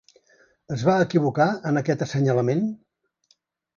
Es va equivocar en aquest assenyalament?